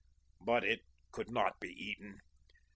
But it could not be eaten.